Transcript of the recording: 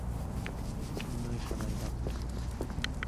しんどい課題だ